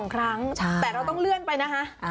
๒ครั้งแต่เราต้องเลื่อนไปนะคะ